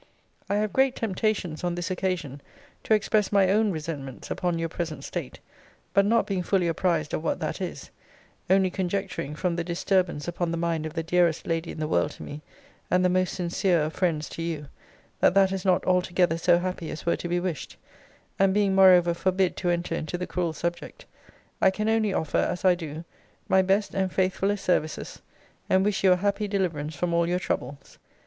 I have great temptations, on this occasion, to express my own resentments upon your present state; but not being fully apprized of what that is only conjecturing from the disturbance upon the mind of the dearest lady in the world to me, and the most sincere of friends to you, that that is not altogether so happy as were to be wished; and being, moreover, forbid to enter into the cruel subject; I can only offer, as I do, my best and faithfullest services! and wish you a happy deliverance from all your troubles.